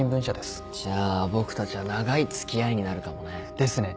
じゃあ僕たちは長い付き合いになるかもね。ですね。